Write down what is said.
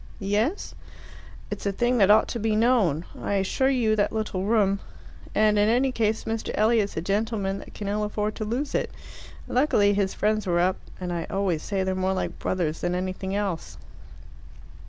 "Yes?" "It's a thing that ought to be known. I assure you, that little room!... And in any case, Mr. Elliot's a gentleman that can ill afford to lose it. Luckily his friends were up; and I always say they're more like brothers than anything else."